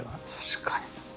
確かに。